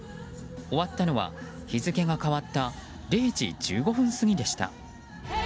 終わったのは、日付が変わった０時１５分過ぎでした。